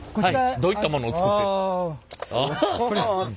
どういったものを作って。